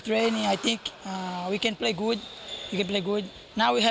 เราก็กินดีมายุ่นนี้